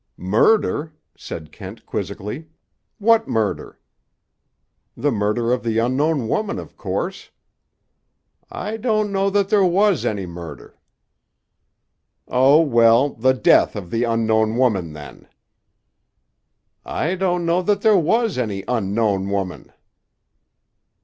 "Murder?" said Kent quizzically. "What murder?" "The murder of the unknown woman, of course." "I don't know that there was any murder." "Oh, well, the death of the unknown woman, then." "I don't know that there was any unknown woman."